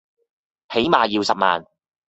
起碼要十萬